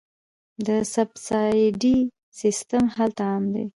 د سبسایډي سیستم هلته عام دی.